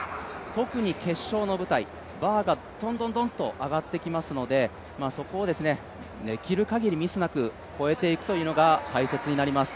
特に決勝の舞台、バーがとんとんとんと上がっていきますので、そこをできるだけミスなく越えていくというのが大切になります。